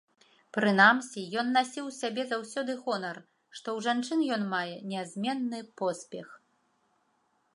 Прынамсі, ён насіў у сабе заўсёды гонар, што ў жанчын ён мае нязменны поспех.